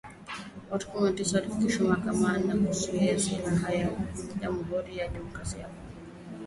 Watu kumi na sita wamefikishwa mahakamani kwa kuwauzia silaha wanamgambo huko Jamuhuri ya kidemokrasia ya Kongo